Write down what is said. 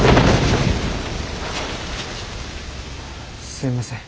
すいません。